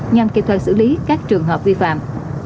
nhằm kịp thời xử lý các trường hợp vi phạm